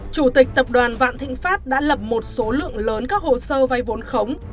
chủ tịch tập đoàn vạn thịnh pháp đã lập một số lượng lớn các hồ sơ vay vốn khống